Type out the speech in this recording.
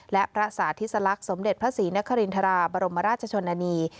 และพระสาธิสลักษณ์สมเด็จพระศรีนครินทราบรมราชชนนานี